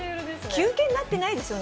休憩になっていないですよね。